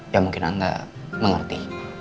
yang mungkin anda mengerti